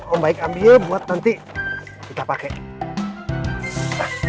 om baik ambilnya buat nanti kita pakai